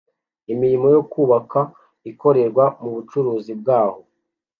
Imirimo yo kubaka ikorerwa mubucuruzi bwaho